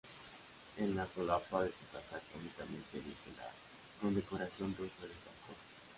En la solapa de su casaca únicamente luce la condecoración rusa de San Jorge.